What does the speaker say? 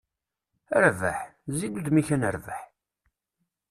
A Rabaḥ! Zzi-d udem-k ad nerbeḥ.